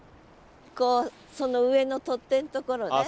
こうその上の取っ手のところね。